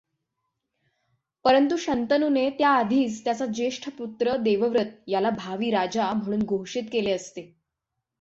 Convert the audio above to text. परंतु शंतनूने त्याआधीच त्याचा जेष्ठ पुत्र देवव्रत याला भावी राजा म्हणून घोषित केले असते.